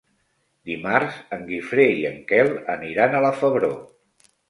Dimarts en Guifré i en Quel aniran a la Febró.